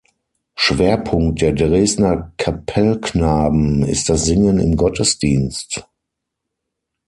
Schwerpunkt der Dresdner Kapellknaben ist das Singen im Gottesdienst.